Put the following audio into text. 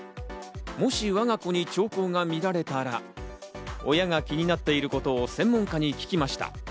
もし我が子に兆候が見られたら、親が気になっていることを専門家に聞きました。